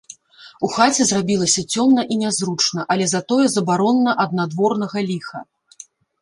У хаце зрабілася цёмна і нязручна, але затое забаронна ад надворнага ліха.